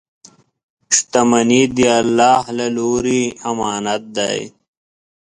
• شتمني د الله له لورې امانت دی.